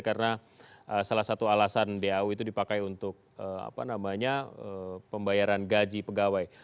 karena salah satu alasan dau itu dipakai untuk apa namanya pembayaran gaji pegawai